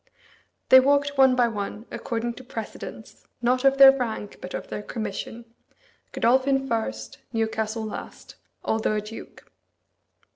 They walked one by one, according to precedence, not of their rank, but of their commission Godolphin first, Newcastle last, although a duke.